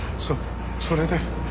そそれで。